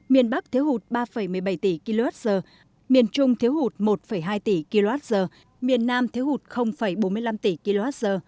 miền bắc thiếu hụt ba một mươi bảy tỷ kwh miền trung thiếu hụt một hai tỷ kwh miền nam thiếu hụt bốn mươi năm tỷ kwh